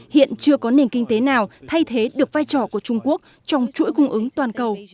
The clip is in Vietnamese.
hiện chưa có nền kinh tế nào thay thế được vai trò của trung quốc trong chuỗi cung ứng toàn cầu